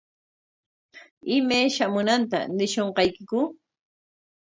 ¿Imay shamunanta ñishunqaykiku?